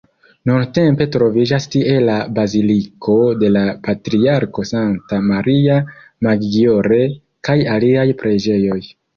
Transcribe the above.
Nuntempe troviĝas tie la baziliko de la patriarko Santa Maria Maggiore kaj aliaj preĝejoj.